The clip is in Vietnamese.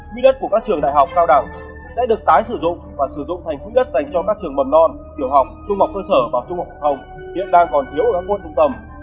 quỹ đất của các trường đại học cao đẳng sẽ được tái sử dụng và sử dụng thành khu đất dành cho các trường mầm non tiểu học trung học cơ sở và trung học phổ thông hiện đang còn thiếu ở các môn trung tâm